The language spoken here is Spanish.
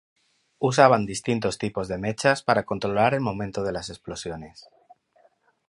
Usaban distintos tipos de mechas para controlar el momento de las explosiones.